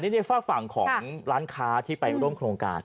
นี่ฝากฝั่งของร้านค้าที่ไปร่วมโครงการ